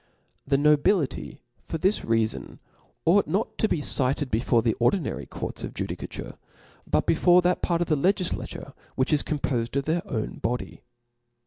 The nobility, fbr this reafon, ought not to be cited before the ordinary courts of judicature, jput before that part of the Icgiflature which is compofed of their owa body.